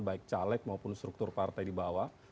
baik caleg maupun struktur partai di bawah